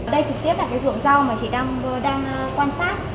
đây trực tiếp là dụng rau mà chị đang quan sát